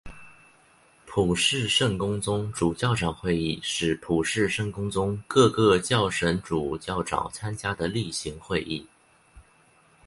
普世圣公宗主教长会议是普世圣公宗各个教省主教长参加的例行会议。